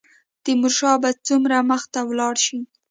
تیمورشاه به څومره مخته ولاړ شي.